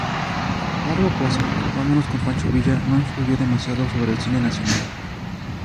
A largo plazo, "Vámonos con Pancho Villa" no influyó demasiado sobre el cine nacional.